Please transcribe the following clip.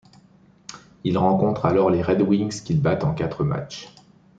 Ils rencontrent alors les Red Wings qu'ils battent en quatre matchs.